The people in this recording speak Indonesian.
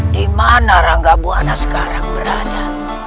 di mana rangga buwana sekarang berada